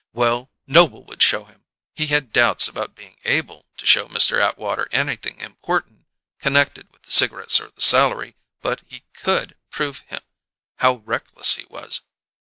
Well, Noble would show him! He had doubts about being able to show Mr. Atwater anything important connected with the cigarettes or the salary, but he could prove how reckless he was.